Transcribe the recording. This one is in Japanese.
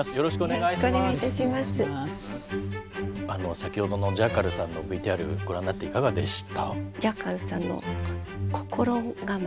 先ほどのジャッカルさんのＶＴＲご覧になっていかがでした？